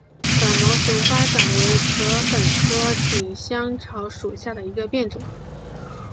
短毛熊巴掌为禾本科锦香草属下的一个变种。